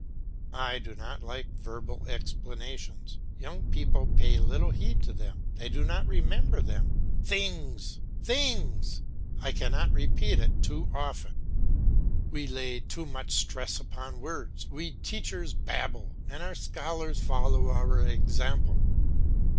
I do not like verbal explanations. Young people pay little heed to them, nor do they remember them. Things! Things! I cannot repeat it too often. We lay too much stress upon words; we teachers babble, and our scholars follow our example.